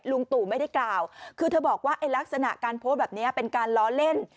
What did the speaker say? ลุงตู่ไม่ได้กล่าวคือเธอบอกว่าไอ้ลักษณะการโพสต์แบบนี้เป็นการล้อเล่น